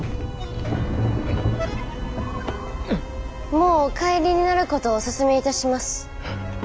もうお帰りになることをお勧めいたします。